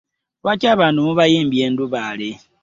Lwaki abantu mubayimbya endubaale?